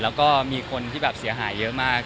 แล้วก็มีคนที่แบบเสียหายเยอะมาก